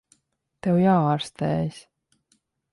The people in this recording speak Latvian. Tev jāārstējas.